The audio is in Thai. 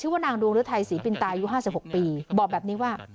ชื่อว่านางดวงฤทัยศรีปินตายูห้าสิบหกปีบอกแบบนี้ว่า